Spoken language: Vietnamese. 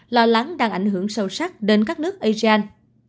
lo lắng đang ảnh hưởng sâu sắc đến các nước asean